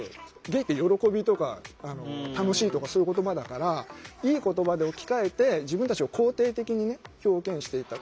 ゲイって喜びとか楽しいとかそういう言葉だからいい言葉で置き換えて自分たちを肯定的にね表現していった。